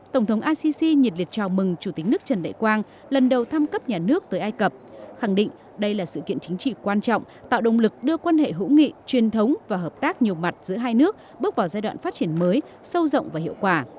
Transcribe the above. tổng thống assisi nhiệt liệt chào mừng chủ tịch nước trần đại quang lần đầu thăm cấp nhà nước tới ai cập khẳng định đây là sự kiện chính trị quan trọng tạo động lực đưa quan hệ hữu nghị truyền thống và hợp tác nhiều mặt giữa hai nước bước vào giai đoạn phát triển mới sâu rộng và hiệu quả